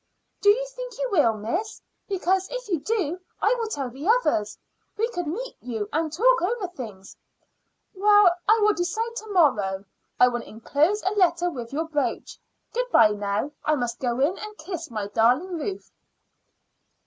"Do you think you will, miss? Because, if you do, I will tell the others. We could meet you and talk over things." "Well, I will decide to morrow. I will enclose a letter with your brooch. Good bye now; I must go in and kiss my darling Ruth."